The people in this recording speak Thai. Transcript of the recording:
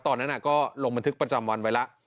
ตอนนั้นก็ลงบันทึกประจำวันไว้แล้ว